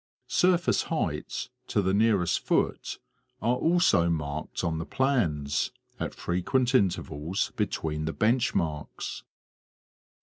Surface heights, to the nearest foot are also marked on the plans, at frequent in tervals between the bench marks.